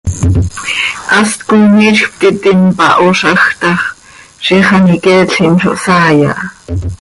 Hast coi miizj ptiti mpahoozaj ta x, ziix an iqueetlim zo hsaai aha.